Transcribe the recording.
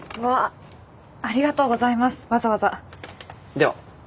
では。